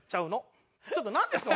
ちょっとなんですか？